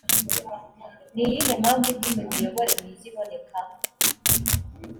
ni iyihe mpamvu ituma imiyoborere myiza iboneka